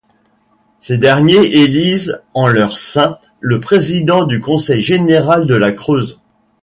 Ces derniers élisent en leur sein le Président du Conseil Général de la Creuse.